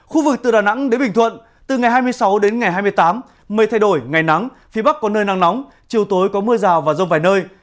khu vực từ đà nẵng đến bình thuận từ ngày hai mươi sáu đến ngày hai mươi tám mây thay đổi ngày nắng phía bắc có nơi nắng nóng chiều tối có mưa rào và rông vài nơi